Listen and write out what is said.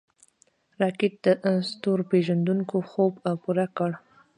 راکټ د ستورپیژندونکو خوب پوره کړ